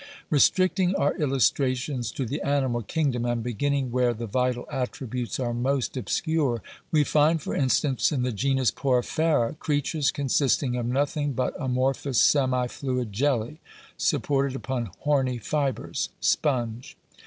Kestricting our illustrations to the animal kingdom, and beginning where the vital attributes are most obscure, we find, for instance, in the genus Porifera, creatures consisting of nothing but amorphous semi fluid jelly, supported upon horny fibres (sponge).